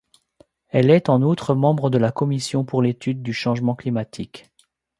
Elle est, en outre, membre de la commission pour l'Étude du changement climatique.